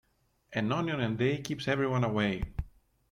An onion a day keeps everyone away.